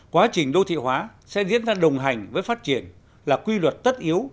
quá trình đô thị hóa sẽ diễn ra đồng hành với phát triển là quy luật tất yếu